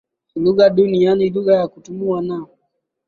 lugha duni yaani lugha ya kutumiwa na